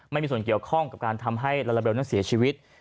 ไม่มีส่วนเกี่ยวข้องกับการทำให้ลาลาเบลนั้นเสียชีวิต